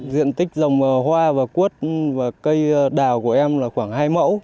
diện tích dòng hoa và cuốt và cây đào của em là khoảng hai mẫu